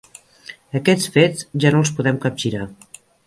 Aquests fets, ja no els podem capgirar.